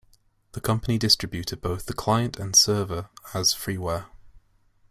The company distributed both the client and server as freeware.